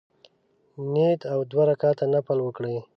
نیت او دوه رکعته نفل وکړي.